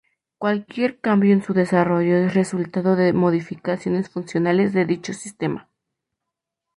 Cualquier cambio en su desarrollo es resultado de modificaciones funcionales de dicho sistema.